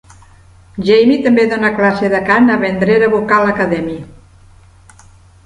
Jaimie també dona classe de cant a Vendera Vocal Academy.